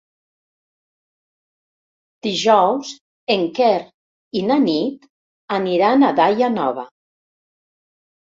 Dijous en Quer i na Nit aniran a Daia Nova.